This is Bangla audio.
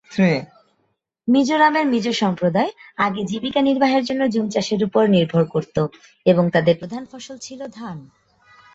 মিজোরামের মিজো সম্প্রদায় আগে জীবিকা নির্বাহের জন্য জুম চাষের উপর নির্ভর করত এবং তাদের প্রধান ফসল ছিল ধান।